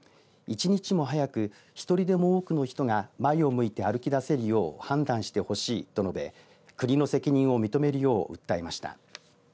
１日も早く１人でも多くの人が前を向いて歩き出せるよう判断してほしいと述べ国の責任を認めるよう訴えました。